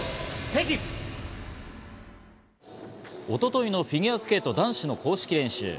一昨日のフィギュアスケート男子の公式練習。